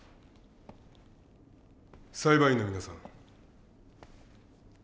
裁判員の皆さん。